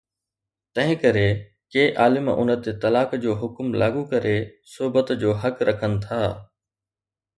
تنهن ڪري، ڪي عالم ان تي طلاق جو حڪم لاڳو ڪري صحبت جو حق رکن ٿا